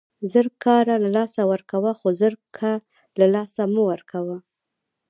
زر کاره له لاسه ورکوه، خو زرکه له له لاسه مه ورکوه!